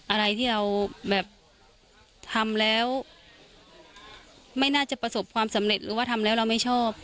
อะไรที่เราแบบทำแล้วไม่น่าจะประสบความสำเร็จหรือว่าทำแล้วเราไม่ชอบ